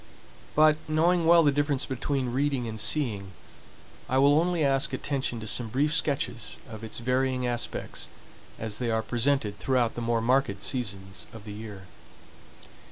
But, knowing well the difference between reading and seeing, I will only ask attention to some brief sketches of its varying aspects as they are presented throughout the more marked seasons of the year.